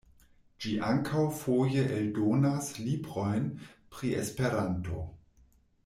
Ĝi ankaŭ foje eldonas librojn pri Esperanto.